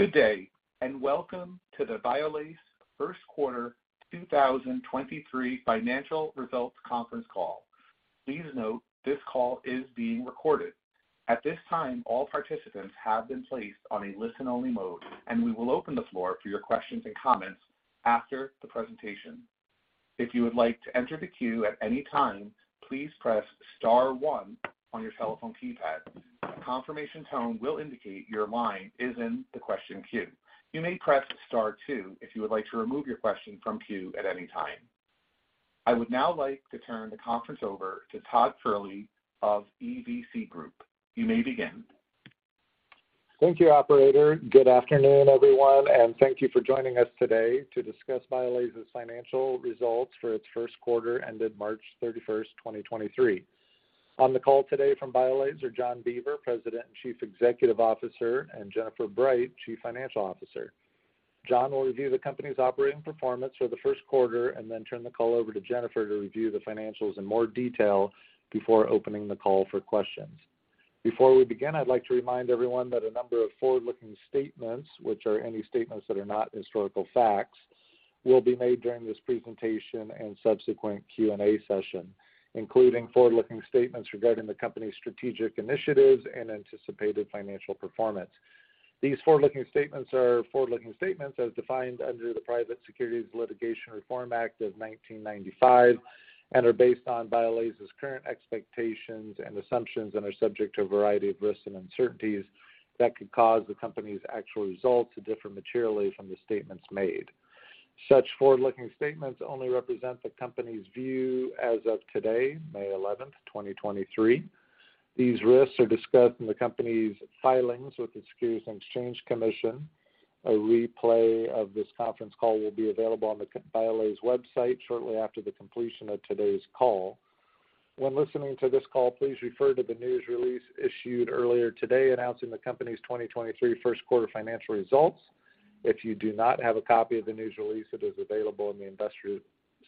Good day. Welcome to the BIOLASE first quarter 2023 financial results conference call. Please note this call is being recorded. At this time, all participants have been placed on a listen-only mode, and we will open the floor for your questions and comments after the presentation. If you would like to enter the queue at any time, please press star one on your telephone keypad. A confirmation tone will indicate your line is in the question queue. You may press star two if you would like to remove your question from queue at any time. I would now like to turn the conference over to Todd Kehrli of EVC Group. You may begin. Thank you, operator. Good afternoon, everyone, and thank you for joining us today to discuss BIOLASE's financial results for its first quarter ended March 31st, 2023. On the call today from BIOLASE are John Beaver, President and Chief Executive Officer, and Jennifer Bright, Chief Financial Officer. John will review the company's operating performance for the first quarter and then turn the call over to Jennifer to review the financials in more detail before opening the call for questions. Before we begin, I'd like to remind everyone that a number of forward-looking statements, which are any statements that are not historical facts, will be made during this presentation and subsequent Q&A session, including forward-looking statements regarding the company's strategic initiatives and anticipated financial performance. These forward-looking statements are forward-looking statements as defined under the Private Securities Litigation Reform Act of 1995 and are based on BIOLASE's current expectations and assumptions and are subject to a variety of risks and uncertainties that could cause the company's actual results to differ materially from the statements made. Such forward-looking statements only represent the company's view as of today, May 11, 2023. These risks are discussed in the company's filings with the Securities and Exchange Commission. A replay of this conference call will be available on the BIOLASE website shortly after the completion of today's call. When listening to this call, please refer to the news release issued earlier today announcing the company's 2023 first quarter financial results. If you do not have a copy of the news release, it is available in the investor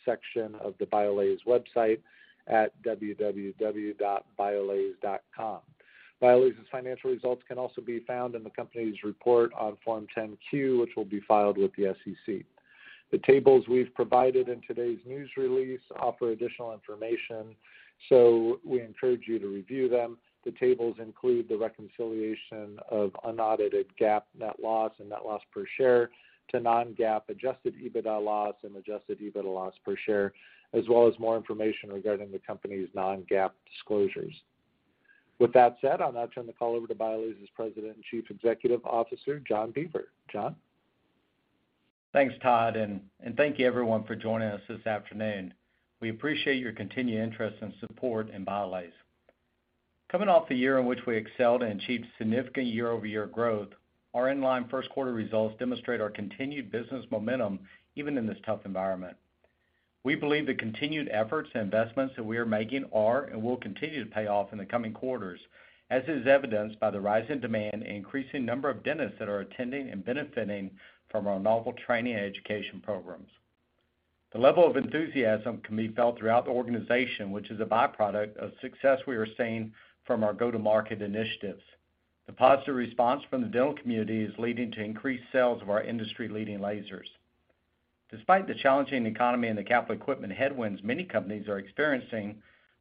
section of the BIOLASE website at www.biolase.com. BIOLASE's financial results can also be found in the company's report on Form 10-Q, which will be filed with the SEC. The tables we've provided in today's news release offer additional information, so we encourage you to review them. The tables include the reconciliation of unaudited GAAP net loss and net loss per share to non-GAAP adjusted EBITDA loss and adjusted EBITDA loss per share, as well as more information regarding the company's non-GAAP disclosures. With that said, I'll now turn the call over to BIOLASE's President and Chief Executive Officer, John Beaver. John? Thanks, Todd, and thank you everyone for joining us this afternoon. We appreciate your continued interest and support in BIOLASE. Coming off the year in which we excelled and achieved significant year-over-year growth, our inline first quarter results demonstrate our continued business momentum even in this tough environment. We believe the continued efforts and investments that we are making are and will continue to pay off in the coming quarters, as is evidenced by the rise in demand and increasing number of dentists that are attending and benefiting from our novel training and education programs. The level of enthusiasm can be felt throughout the organization, which is a by-product of success we are seeing from our go-to-market initiatives. The positive response from the dental community is leading to increased sales of our industry-leading lasers. Despite the challenging economy and the capital equipment headwinds many companies are experiencing,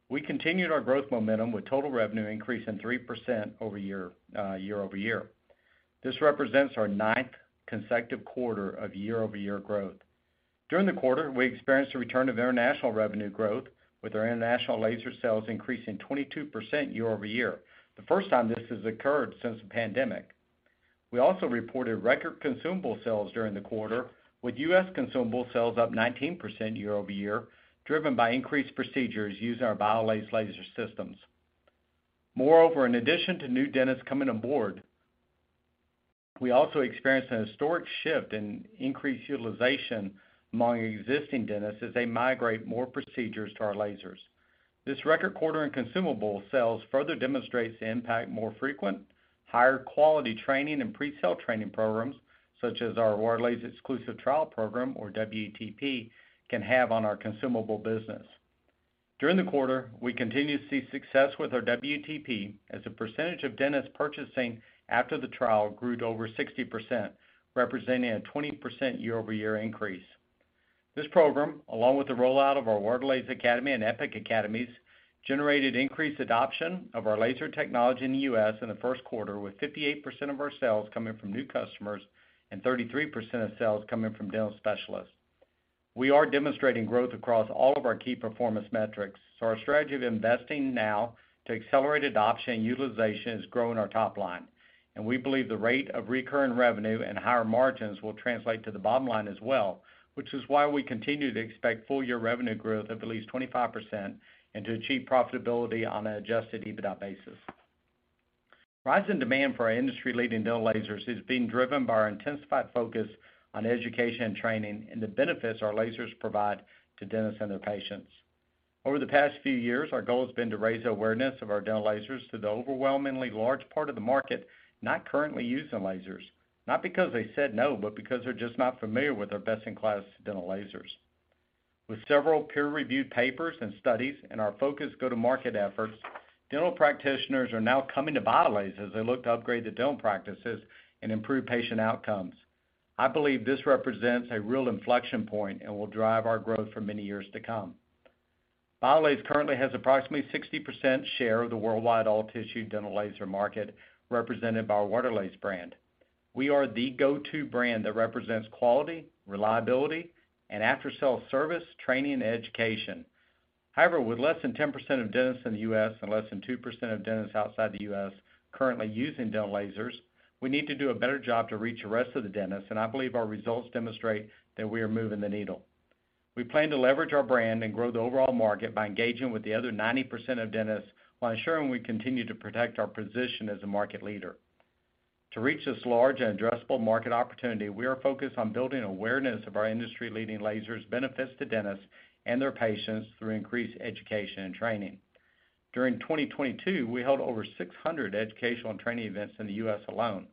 we continued our growth momentum with total revenue increasing 3% over year-over-year. This represents our ninth consecutive quarter of year-over-year growth. During the quarter, we experienced a return of international revenue growth, with our international laser sales increasing 22% year-over-year, the first time this has occurred since the pandemic. We also reported record consumable sales during the quarter, with U.S. consumable sales up 19% year-over-year, driven by increased procedures using our BIOLASE laser systems. In addition to new dentists coming aboard, we also experienced a historic shift in increased utilization among existing dentists as they migrate more procedures to our lasers. This record quarter in consumable sales further demonstrates the impact more frequent, higher quality training and pre-sale training programs, such as our WaterLase Exclusive Trial Program, or WETP, can have on our consumable business. During the quarter, we continued to see success with our WETP as a percentage of dentists purchasing after the trial grew to over 60%, representing a 20% year-over-year increase. This program, along with the rollout of our WaterLase Academy and Epic Academies, generated increased adoption of our laser technology in the US in the first quarter, with 58% of our sales coming from new customers and 33% of sales coming from dental specialists. We are demonstrating growth across all of our key performance metrics, so our strategy of investing now to accelerate adoption and utilization is growing our top line. We believe the rate of recurring revenue and higher margins will translate to the bottom line as well, which is why we continue to expect full year revenue growth of at least 25% and to achieve profitability on an adjusted EBITDA basis. Rise in demand for our industry-leading dental lasers is being driven by our intensified focus on education and training and the benefits our lasers provide to dentists and their patients. Over the past few years, our goal has been to raise awareness of our dental lasers to the overwhelmingly large part of the market not currently using lasers, not because they said no, but because they're just not familiar with our best-in-class dental lasers. With several peer-reviewed papers and studies and our focus go-to-market efforts, dental practitioners are now coming to BIOLASE as they look to upgrade their dental practices and improve patient outcomes. I believe this represents a real inflection point and will drive our growth for many years to come. BIOLASE currently has approximately 60% share of the worldwide all-tissue dental laser market represented by our WaterLase brand. We are the go-to brand that represents quality, reliability, and after-sale service, training, and education. However, with less than 10% of dentists in the U.S. and less than 2% of dentists outside the U.S. currently using dental lasers, we need to do a better job to reach the rest of the dentists, and I believe our results demonstrate that we are moving the needle. We plan to leverage our brand and grow the overall market by engaging with the other 90% of dentists while ensuring we continue to protect our position as a market leader. To reach this large and addressable market opportunity, we are focused on building awareness of our industry-leading lasers benefits to dentists and their patients through increased education and training. During 2022, we held over 600 educational and training events in the US alone.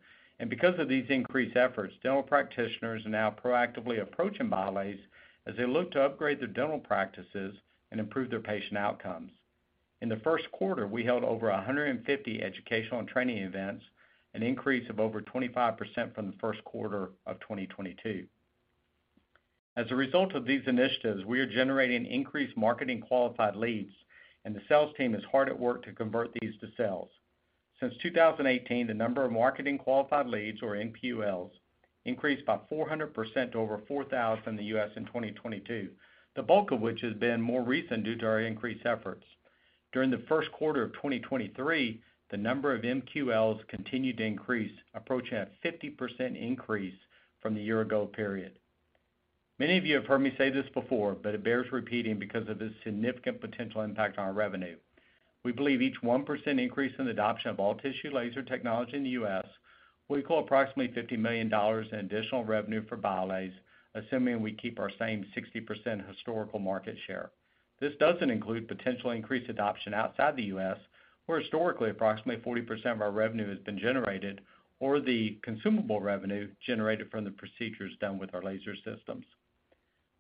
Because of these increased efforts, dental practitioners are now proactively approaching BIOLASE as they look to upgrade their dental practices and improve their patient outcomes. In the first quarter, we held over 150 educational and training events, an increase of over 25% from the first quarter of 2022. As a result of these initiatives, we are generating increased marketing qualified leads, and the sales team is hard at work to convert these to sales. Since 2018, the number of marketing qualified leads, or MQLs, increased by 400% over 4,000 in the U.S. in 2022, the bulk of which has been more recent due to our increased efforts. During the first quarter of 2023, the number of MQLs continued to increase, approaching a 50% increase from the year ago period. Many of you have heard me say this before, but it bears repeating because of the significant potential impact on our revenue. We believe each 1% increase in adoption of all-tissue laser technology in the U.S. will equal approximately $50 million in additional revenue for BIOLASE, assuming we keep our same 60% historical market share. This doesn't include potential increased adoption outside the U.S., where historically approximately 40% of our revenue has been generated, or the consumable revenue generated from the procedures done with our laser systems.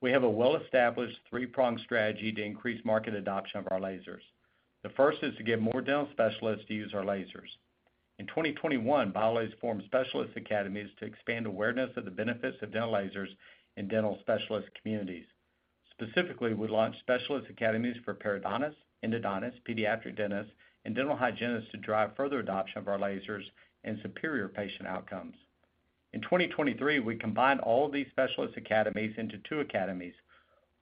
We have a well-established three-pronged strategy to increase market adoption of our lasers. The first is to get more dental specialists to use our lasers. In 2021, BIOLASE formed specialist academies to expand awareness of the benefits of dental lasers in dental specialist communities. Specifically, we launched specialist academies for periodontists, endodontists, pediatric dentists, and dental hygienists to drive further adoption of our lasers and superior patient outcomes. In 2023, we combined all of these specialist academies into two academies,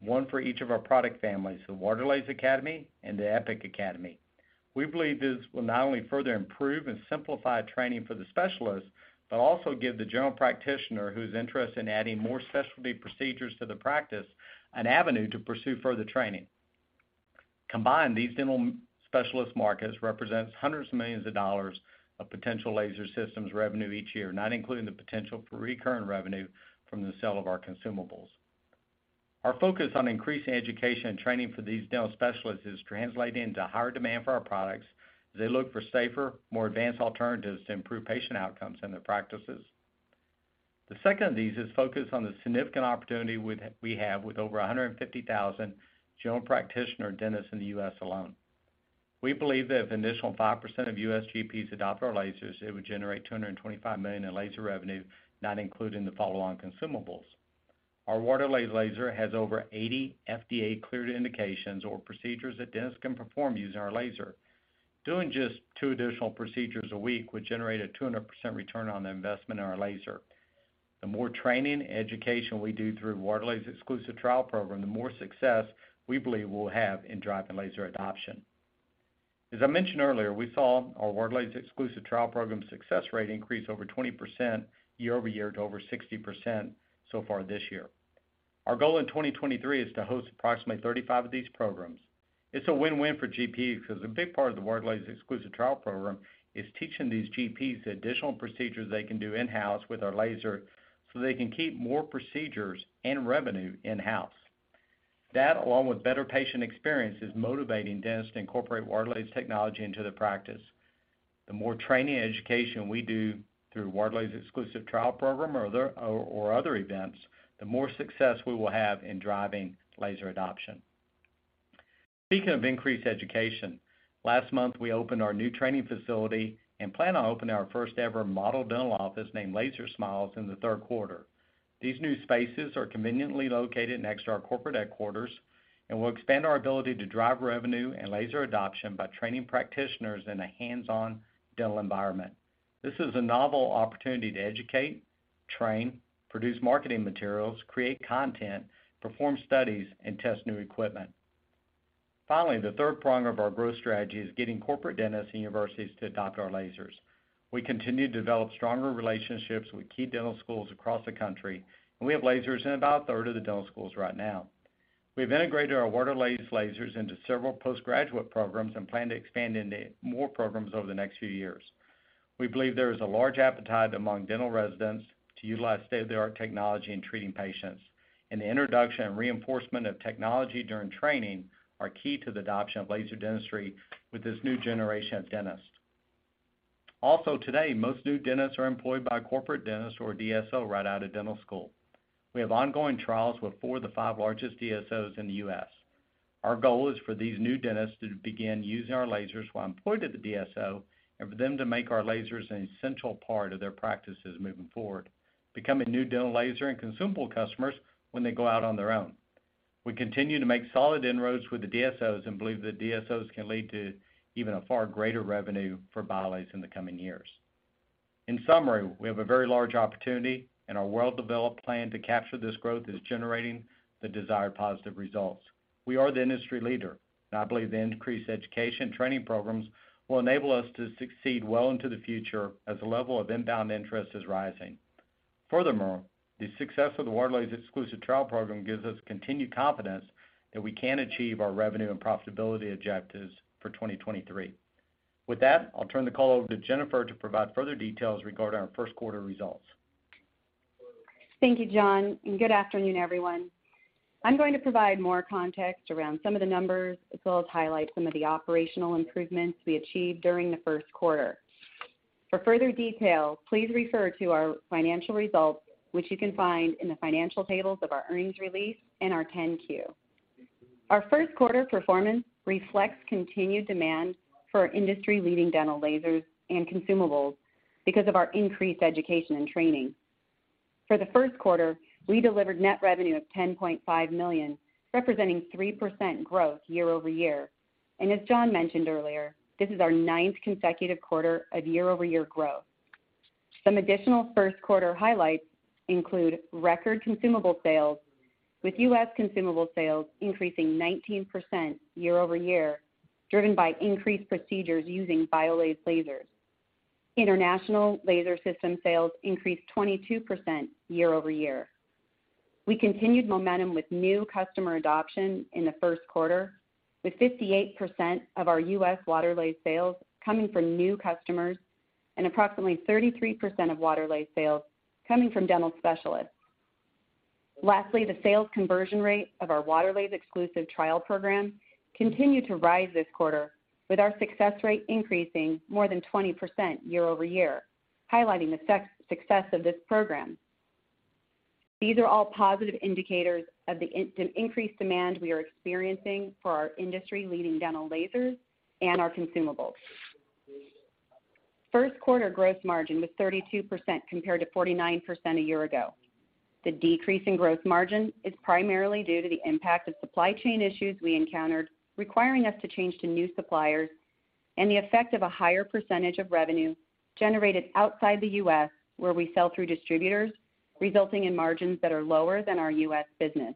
one for each of our product families, the WaterLase Academy and the Epic Academy. We believe this will not only further improve and simplify training for the specialists, but also give the general practitioner who's interested in adding more specialty procedures to the practice an avenue to pursue further training. Combined, these dental specialist markets represents $ hundreds of millions of potential laser systems revenue each year, not including the potential for recurring revenue from the sale of our consumables. Our focus on increasing education and training for these dental specialists is translating into higher demand for our products as they look for safer, more advanced alternatives to improve patient outcomes in their practices. The second of these is focused on the significant opportunity we have with over 150,000 general practitioner dentists in the US alone. We believe that if an additional 5% of U.S. GPs adopt our lasers, it would generate $225 million in laser revenue, not including the follow-on consumables. Our WaterLase laser has over 80 FDA cleared indications or procedures that dentists can perform using our laser. Doing just two additional procedures a week would generate a 200% return on the investment in our laser. The more training and education we do through WaterLase Exclusive Trial Program, the more success we believe we'll have in driving laser adoption. As I mentioned earlier, we saw our WaterLase Exclusive Trial Program success rate increase over 20% year-over-year to over 60% so far this year. Our goal in 2023 is to host approximately 35 of these programs. It's a win-win for GPs because a big part of the WaterLase Exclusive Trial Program is teaching these GPs the additional procedures they can do in-house with our laser so they can keep more procedures and revenue in-house. That, along with better patient experience, is motivating dentists to incorporate WaterLase technology into their practice. The more training and education we do through WaterLase Exclusive Trial Program or other, or other events, the more success we will have in driving laser adoption. Speaking of increased education, last month, we opened our new training facility and plan on opening our first ever model dental office named Laser Smiles in the third quarter. These new spaces are conveniently located next to our corporate headquarters and will expand our ability to drive revenue and laser adoption by training practitioners in a hands-on dental environment. This is a novel opportunity to educate, train, produce marketing materials, create content, perform studies, and test new equipment. The third prong of our growth strategy is getting corporate dentists and universities to adopt our lasers. We continue to develop stronger relationships with key dental schools across the country, and we have lasers in about 1/3 of the dental schools right now. We've integrated our WaterLase lasers into several postgraduate programs and plan to expand into more programs over the next few years. We believe there is a large appetite among dental residents to utilize state-of-the-art technology in treating patients, and the introduction and reinforcement of technology during training are key to the adoption of laser dentistry with this new generation of dentists. Today, most new dentists are employed by corporate dentists or DSO right out of dental school. We have ongoing trials with four of the five largest DSOs in the U.S. Our goal is for these new dentists to begin using our lasers while employed at the DSO, and for them to make our lasers an essential part of their practices moving forward, becoming new dental laser and consumable customers when they go out on their own. We continue to make solid inroads with the DSOs, and believe that DSOs can lead to even a far greater revenue for BIOLASE in the coming years. In summary, we have a very large opportunity, and our well-developed plan to capture this growth is generating the desired positive results. We are the industry leader, and I believe the increased education training programs will enable us to succeed well into the future as the level of inbound interest is rising. The success of the WaterLase Exclusive Trial Program gives us continued confidence that we can achieve our revenue and profitability objectives for 2023. With that, I'll turn the call over to Jennifer to provide further details regarding our first quarter results. Thank you, John, and good afternoon, everyone. I'm going to provide more context around some of the numbers, as well as highlight some of the operational improvements we achieved during the first quarter. For further details, please refer to our financial results, which you can find in the financial tables of our earnings release and our 10-Q. Our first quarter performance reflects continued demand for our industry-leading dental lasers and consumables because of our increased education and training. For the first quarter, we delivered net revenue of $10.5 million, representing 3% growth year-over-year. As John mentioned earlier, this is our ninth consecutive quarter of year-over-year growth. Some additional first quarter highlights include record consumable sales, with U.S. consumable sales increasing 19% year-over-year, driven by increased procedures using BIOLASE lasers. International laser system sales increased 22% year-over-year. We continued momentum with new customer adoption in the first quarter, with 58% of our U.S. WaterLase sales coming from new customers, and approximately 33% of WaterLase sales coming from dental specialists. Lastly, the sales conversion rate of our WaterLase Exclusive Trial Program continued to rise this quarter, with our success rate increasing more than 20% year-over-year, highlighting the success of this program. These are all positive indicators of the increased demand we are experiencing for our industry-leading dental lasers and our consumables. First quarter gross margin was 32% compared to 49% a year ago. The decrease in gross margin is primarily due to the impact of supply chain issues we encountered, requiring us to change to new suppliers, and the effect of a higher percentage of revenue generated outside the US, where we sell through distributors, resulting in margins that are lower than our US business.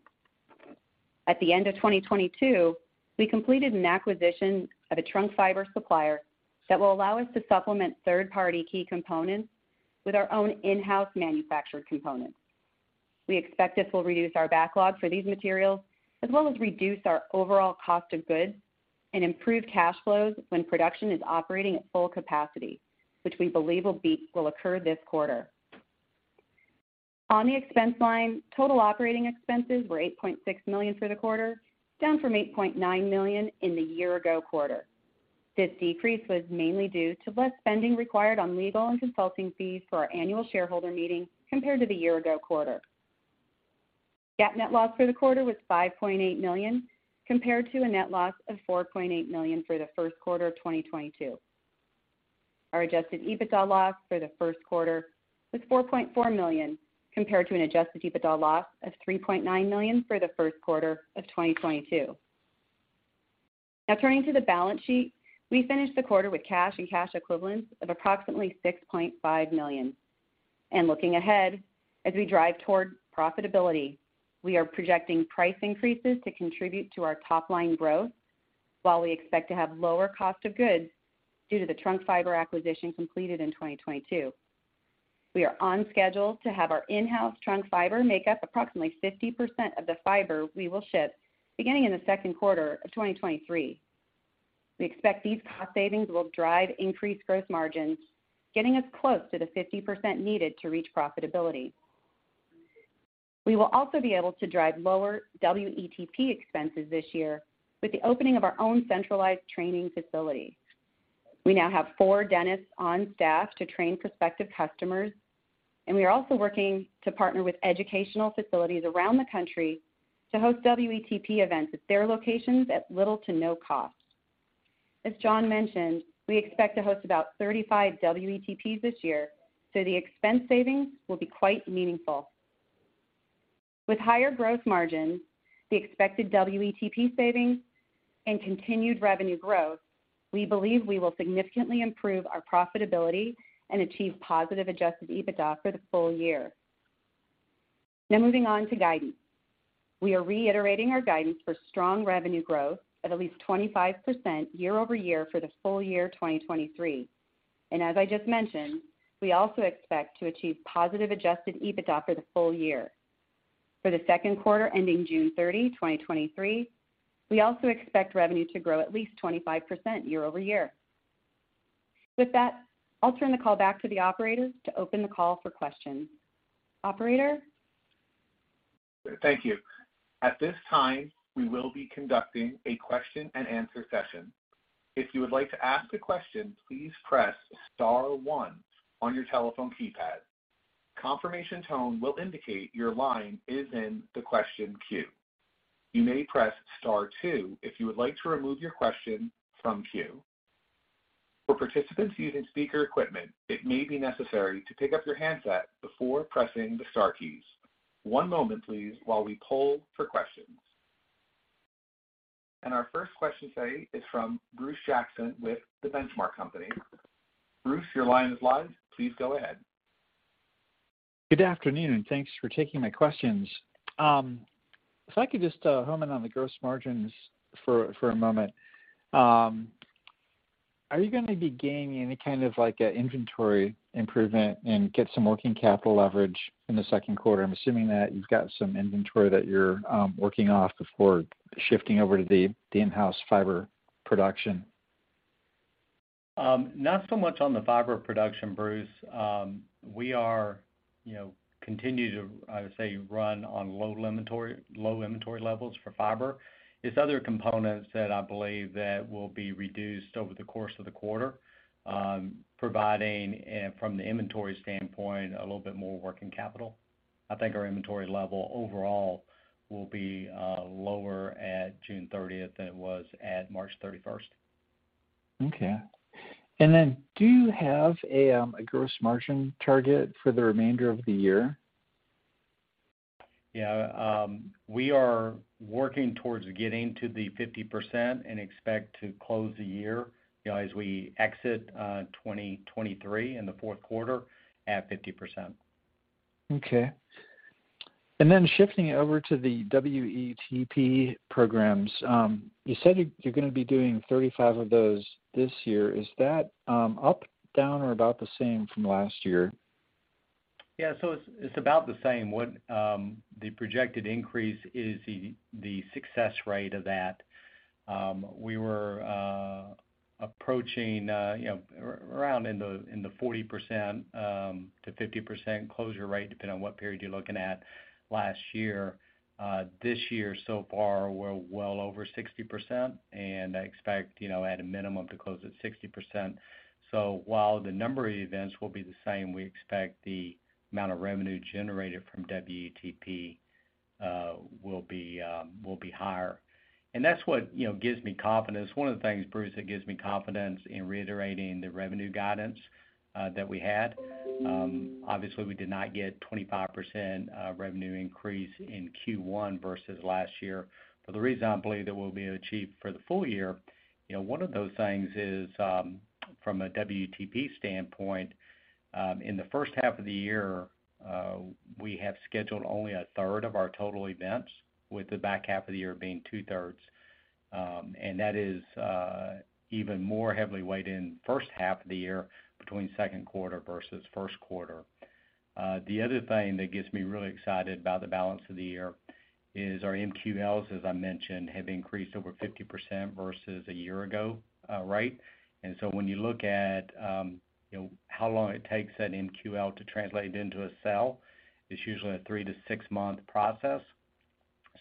At the end of 2022, we completed an acquisition of a trunk fiber supplier that will allow us to supplement third-party key components with our own in-house manufactured components. We expect this will reduce our backlog for these materials, as well as reduce our overall cost of goods and improve cash flows when production is operating at full capacity, which we believe will occur this quarter. On the expense line, total operating expenses were $8.6 million for the quarter, down from $8.9 million in the year-ago quarter. This decrease was mainly due to less spending required on legal and consulting fees for our annual shareholder meeting compared to the year ago quarter. GAAP net loss for the quarter was $5.8 million, compared to a net loss of $4.8 million for the first quarter of 2022. Our adjusted EBITDA loss for the first quarter was $4.4 million, compared to an adjusted EBITDA loss of $3.9 million for the first quarter of 2022. Turning to the balance sheet. We finished the quarter with cash and cash equivalents of approximately $6.5 million. Looking ahead, as we drive toward profitability, we are projecting price increases to contribute to our top line growth, while we expect to have lower cost of goods due to the trunk fiber acquisition completed in 2022. We are on schedule to have our in-house trunk fiber make up approximately 50% of the fiber we will ship beginning in the second quarter of 2023. We expect these cost savings will drive increased gross margins, getting us close to the 50% needed to reach profitability. We will also be able to drive lower WETP expenses this year with the opening of our own centralized training facility. We now have four dentists on staff to train prospective customers, and we are also working to partner with educational facilities around the country to host WETP events at their locations at little to no cost. As John mentioned, we expect to host about 35 WETPs this year, so the expense savings will be quite meaningful. With higher gross margins, the expected WETP savings, and continued revenue growth, we believe we will significantly improve our profitability and achieve positive adjusted EBITDA for the full year. Moving on to guidance. We are reiterating our guidance for strong revenue growth at least 25% year-over-year for the full year 2023. As I just mentioned, we also expect to achieve positive adjusted EBITDA for the full year. For the second quarter ending June 30, 2023, we also expect revenue to grow at least 25% year-over-year. With that, I'll turn the call back to the operators to open the call for questions. Operator? Thank you. At this time, we will be conducting a question and answer session. If you would like to ask a question, please press star one on your telephone keypad. Confirmation tone will indicate your line is in the question queue. You may press star two if you would like to remove your question from queue. For participants using speaker equipment, it may be necessary to pick up your handset before pressing the star keys. One moment, please, while we poll for questions. Our first question today is from Bruce Jackson with The Benchmark Company. Bruce, your line is live. Please go ahead. Good afternoon, thanks for taking my questions. If I could just hone in on the gross margins for a moment. Are you gonna be gaining any kind of like a inventory improvement and get some working capital leverage in the second quarter? I'm assuming that you've got some inventory that you're working off before shifting over to the in-house fiber production. Not so much on the fiber production, Bruce. We are, you know, continue to, I would say, run on low inventory levels for fiber. It's other components that I believe that will be reduced over the course of the quarter, providing from the inventory standpoint, a little bit more working capital. I think our inventory level overall will be lower at June 30th than it was at March 31st. Okay. Do you have a gross margin target for the remainder of the year? Yeah. We are working towards getting to the 50% and expect to close the year, you know, as we exit, 2023 in the fourth quarter at 50%. Okay. Then shifting over to the WETP programs, you said you're gonna be doing 35 of those this year. Is that up, down, or about the same from last year? Yeah. It's about the same. What the projected increase is the success rate of that. We were approaching, you know, around in the 40%-50% closure rate, depending on what period you're looking at last year. This year so far we're well over 60%, and I expect, you know, at a minimum to close at 60%. While the number of events will be the same, we expect the amount of revenue generated from WETP will be higher. That's what, you know, gives me confidence. One of the things, Bruce, that gives me confidence in reiterating the revenue guidance that we had. Obviously we did not get 25% revenue increase in Q1 versus last year. For the reason I believe that we'll be able to achieve for the full year, you know, one of those things is, from a WETP standpoint, in the first half of the year, we have scheduled only a third of our total events, with the back half of the year being two-thirds. That is even more heavily weighed in first half of the year between second quarter versus first quarter. The other thing that gets me really excited about the balance of the year is our MQLs, as I mentioned, have increased over 50% versus a year ago rate. When you look at, you know, how long it takes that MQL to translate into a sale, it's usually a three month-six month process.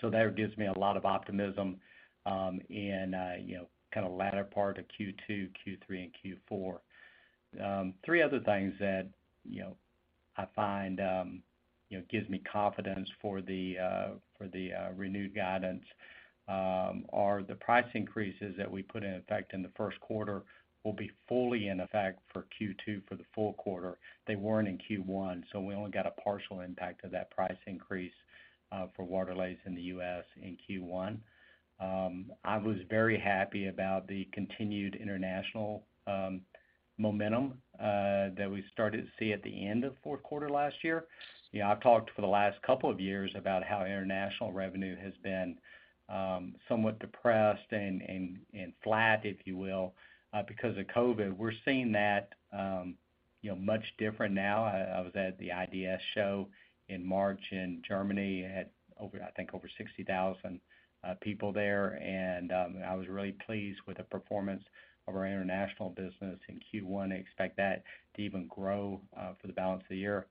That gives me a lot of optimism, in, you know, kinda latter part of Q2, Q3, and Q4. Three other things that, you know, I find, you know, gives me confidence for the for the renewed guidance, are the price increases that we put in effect in the first quarter will be fully in effect for Q2 for the full quarter. They weren't in Q1, so we only got a partial impact of that price increase, for WaterLase in the U.S. in Q1. I was very happy about the continued international momentum that we started to see at the end of fourth quarter last year. You know, I've talked for the last couple of years about how international revenue has been, somewhat depressed and flat, if you will, because of COVID. We're seeing that, you know, much different now. I was at the IDS show in March in Germany. It had over, I think, over 60,000 people there. I was really pleased with the performance of our international business in Q1. I expect that to even grow for the balance of the year.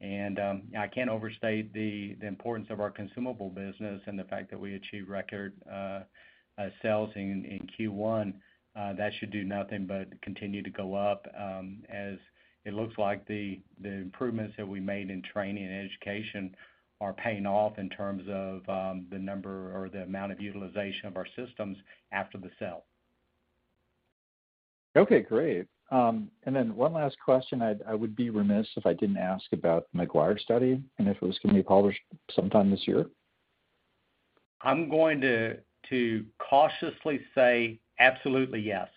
I can't overstate the importance of our consumable business and the fact that we achieved record sales in Q1. That should do nothing but continue to go up as it looks like the improvements that we made in training and education are paying off in terms of the number or the amount of utilization of our systems after the sale. Okay, great. Then one last question. I would be remiss if I didn't ask about the McGuire study and if it was gonna be published sometime this year. I'm going to cautiously say absolutely yes.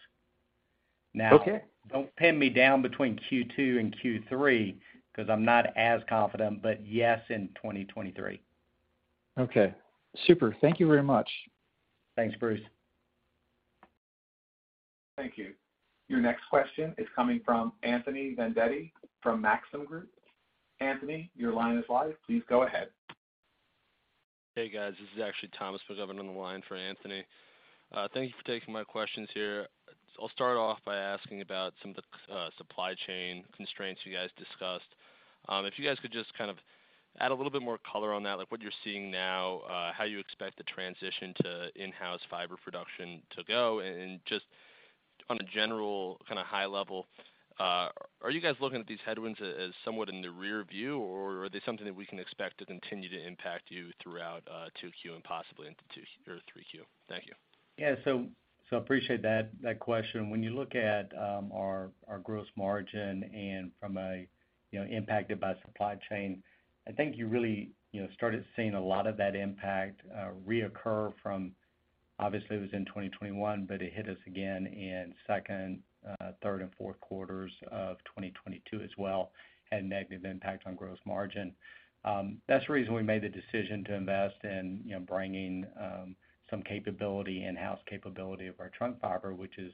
Okay. Don't pin me down between Q2 and Q3, 'cause I'm not as confident. Yes, in 2023. Okay. Super. Thank you very much. Thanks, Bruce. Thank you. Your next question is coming from Anthony Vendetti from Maxim Group. Anthony, your line is live. Please go ahead. Hey, guys. This is actually Thomas McGovern on the line for Anthony. Thank you for taking my questions here. I'll start off by asking about some of the supply chain constraints you guys discussed. If you guys could just kind of add a little bit more color on that, like what you're seeing now, how you expect the transition to in-house fiber production to go, and just on a general kind of high level, are you guys looking at these headwinds as somewhat in the rear view, or are they something that we can expect to continue to impact you throughout 2Q and possibly into 3Q? Thank you. Yeah. So appreciate that question. When you look at our gross margin and from a, you know, impacted by supply chain, I think you really, you know, started seeing a lot of that impact reoccur from obviously it was in 2021, but it hit us again in second, third and fourth quarters of 2022 as well, had a negative impact on gross margin. That's the reason we made the decision to invest in, you know, bringing some capability, in-house capability of our trunk fiber, which is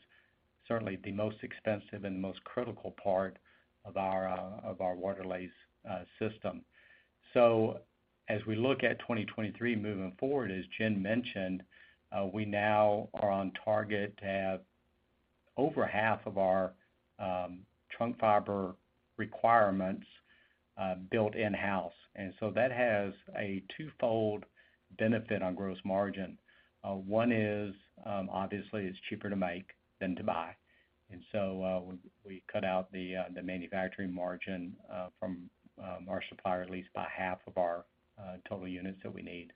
certainly the most expensive and most critical part of our WaterLase system. As we look at 2023 moving forward, as Jen mentioned, we now are on target to have over half of our trunk fiber requirements built in-house. That has a twofold benefit on gross margin. One is, obviously it's cheaper to make than to buy. We cut out the manufacturing margin from our supplier at least by half of our total units that we need.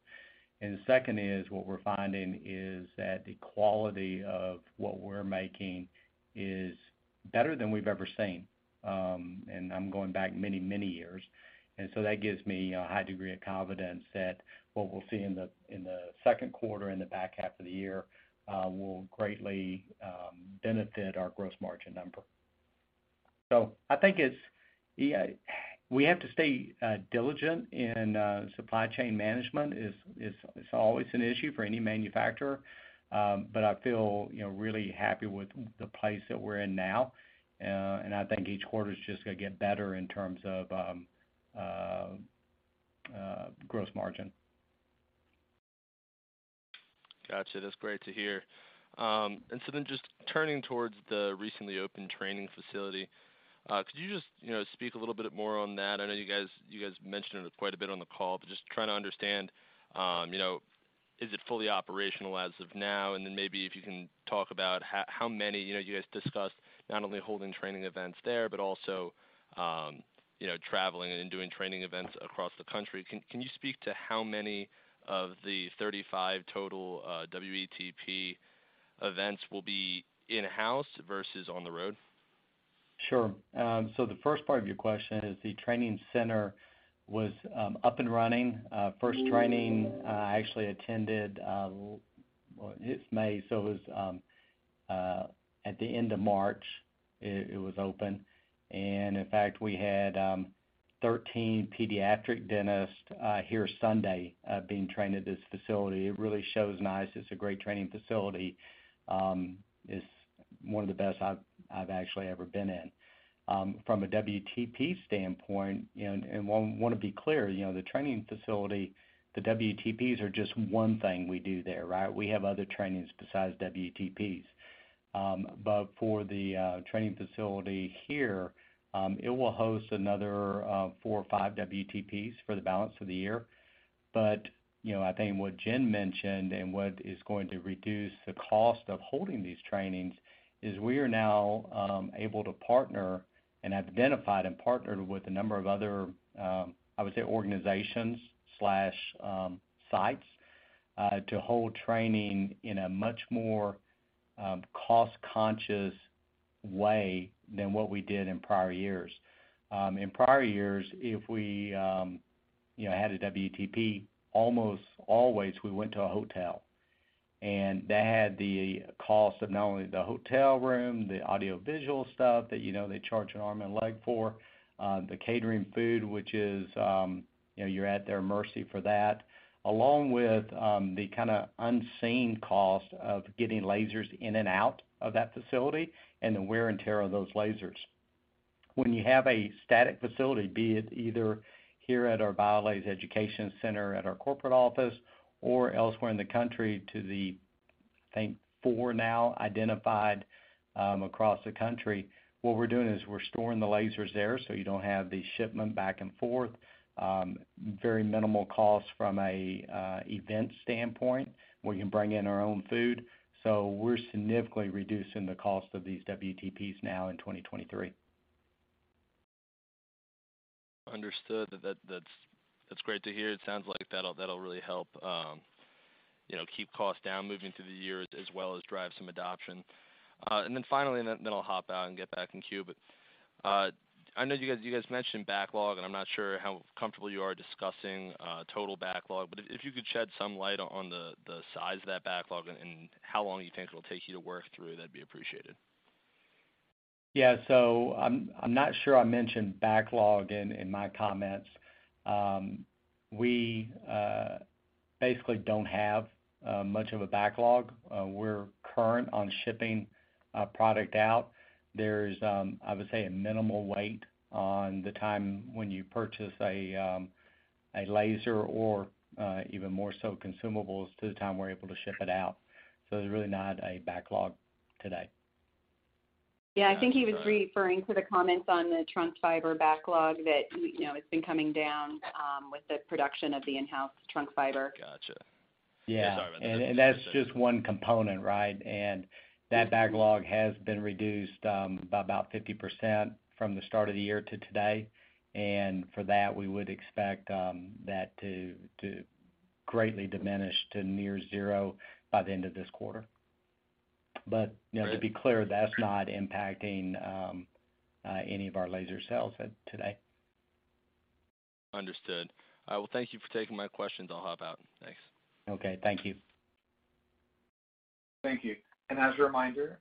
The second is, what we're finding is that the quality of what we're making is better than we've ever seen, and I'm going back many, many years. That gives me a high degree of confidence that what we'll see in the second quarter and the back half of the year, will greatly benefit our gross margin number. I think it's, yeah, we have to stay diligent in supply chain management. It's always an issue for any manufacturer, but I feel, you know, really happy with the place that we're in now. I think each quarter is just gonna get better in terms of gross margin. Got you. That's great to hear. Just turning towards the recently opened training facility, could you just, you know, speak a little bit more on that? I know you guys mentioned it quite a bit on the call, but just trying to understand, you know, is it fully operational as of now? Maybe if you can talk about how many, you know, you guys discussed not only holding training events there, but also, you know, traveling and doing training events across the country. Can you speak to how many of the 35 total WETP events will be in-house versus on the road? Sure. The first part of your question is the training center was up and running. First training I actually attended, well, it's May, so it was at the end of March it was open. In fact, we had 13 pediatric dentists here Sunday being trained at this facility. It really shows nice. It's a great training facility. It's one of the best I've actually ever been in. From a WETP standpoint, and I wanna be clear, you know, the training facility, the WETP are just one thing we do there, right? We have other trainings besides WETP. For the training facility here, it will host another four or five WETP for the balance of the year. You know, I think what Jen mentioned and what is going to reduce the cost of holding these trainings is we are now able to partner and have identified and partnered with a number of other, I would say organizations/sites, to hold training in a much more cost-conscious way than what we did in prior years. In prior years, if we, you know, had a WETP, almost always we went to a hotel, and that had the cost of not only the hotel room, the audiovisual stuff that you know, they charge an arm and leg for, the catering food, which is, you know, you're at their mercy for that, along with the kinda unseen cost of getting lasers in and out of that facility and the wear and tear of those lasers. When you have a static facility, be it either here at our BIOLASE Education Center at our corporate office or elsewhere in the country to the, I think four now identified, across the country, what we're doing is we're storing the lasers there so you don't have the shipment back and forth. Very minimal cost from an event standpoint, where you can bring in our own food. We're significantly reducing the cost of these WETP now in 2023. Understood. That's great to hear. It sounds like that'll really help, you know, keep costs down moving through the year as well as drive some adoption. Then finally, and then I'll hop out and get back in queue. I know you guys mentioned backlog, and I'm not sure how comfortable you are discussing total backlog, but if you could shed some light on the size of that backlog and how long you think it'll take you to work through, that'd be appreciated. Yeah. I'm not sure I mentioned backlog in my comments. We basically don't have much of a backlog. We're current on shipping product out. There's I would say a minimal wait on the time when you purchase a laser or even more so consumables to the time we're able to ship it out. There's really not a backlog today. Yeah, I think he was referring to the comments on the trunk fiber backlog that, you know, it's been coming down with the production of the in-house trunk fiber. Gotcha. Yeah. Sorry about that. That's just one component, right? That backlog has been reduced by about 50% from the start of the year to today. For that, we would expect that to greatly diminish to near zero by the end of this quarter. You know, to be clear, that's not impacting any of our laser sales at today. Understood. Well, thank you for taking my questions. I'll hop out. Thanks. Okay. Thank you. Thank you. As a reminder,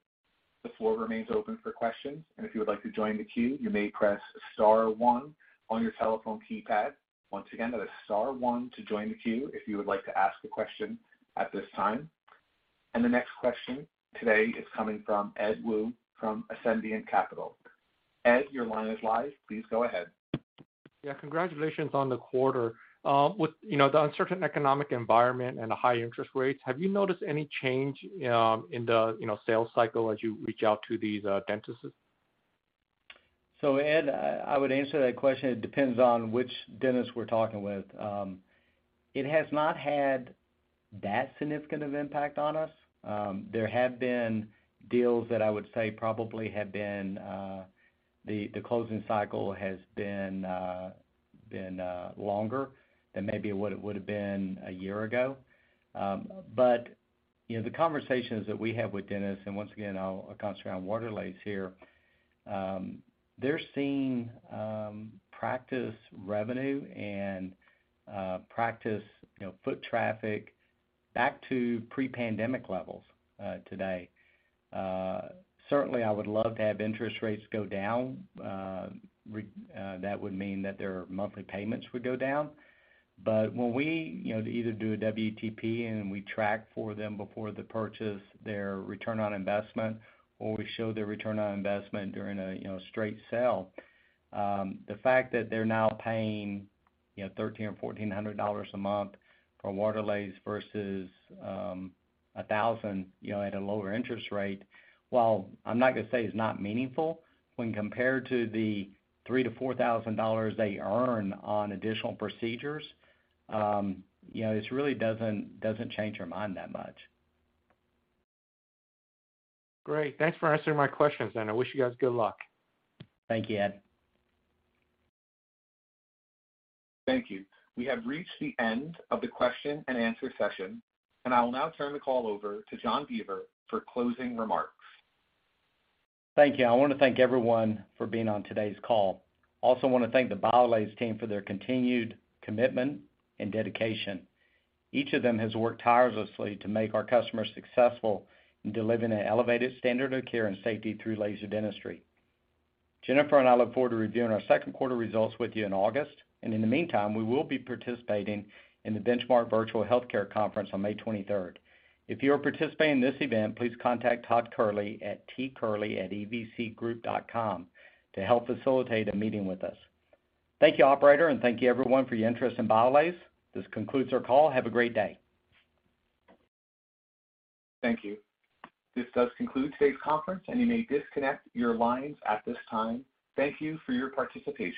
the floor remains open for questions. If you would like to join the queue, you may press star one on your telephone keypad. Once again, that is star one to join the queue if you would like to ask a question at this time. The next question today is coming from Edward Wu from Ascendiant Capital. Ed, your line is live. Please go ahead. Yeah, congratulations on the quarter. With, you know, the uncertain economic environment and the high interest rates, have you noticed any change, in the, you know, sales cycle as you reach out to these dentists? Ed, I would answer that question. It depends on which dentist we're talking with. It has not had that significant of impact on us. There have been deals that I would say probably have been, the closing cycle has been longer than maybe what it would've been one year ago. You know, the conversations that we have with dentists, and once again, I'll concentrate on WaterLase here, they're seeing, practice revenue and, practice, you know, foot traffic back to pre-pandemic levels, today. Certainly, I would love to have interest rates go down. That would mean that their monthly payments would go down. When we, you know, to either do a WETP and we track for them before they purchase their return on investment, or we show their return on investment during a, you know, straight sale, the fact that they're now paying, you know, $1,300 or $1,400 a month for WaterLase versus, $1,000, you know, at a lower interest rate, while I'm not gonna say it's not meaningful, when compared to the $3,000-$4,000 they earn on additional procedures, you know, this really doesn't change their mind that much. Great. Thanks for answering my questions then. I wish you guys good luck. Thank you, Ed. Thank you. We have reached the end of the question and answer session. I will now turn the call over to John Beaver for closing remarks. Thank you. I wanna thank everyone for being on today's call. I also wanna thank the BIOLASE team for their continued commitment and dedication. Each of them has worked tirelessly to make our customers successful in delivering an elevated standard of care and safety through laser dentistry. Jennifer and I look forward to reviewing our second quarter results with you in August. In the meantime, we will be participating in the Benchmark Healthcare House Call virtual conference on May 23rd. If you are participating in this event, please contact Todd Kehrli at tkehrli@evcgroup.com to help facilitate a meeting with us. Thank you, operator, and thank you everyone for your interest in BIOLASE. This concludes our call. Have a great day. Thank you. This does conclude today's conference, and you may disconnect your lines at this time. Thank you for your participation.